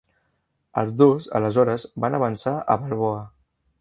Els dos aleshores van avançar a Balboa.